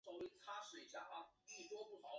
指令操作和编码